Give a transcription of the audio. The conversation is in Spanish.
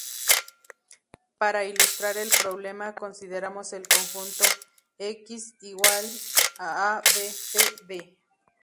Para ilustrar el problema, consideremos el conjunto X={a, b, c, d}.